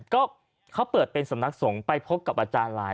ก็เขาเปิดเป็นสำนักสงฆ์ไปพบกับอาจารย์ลาย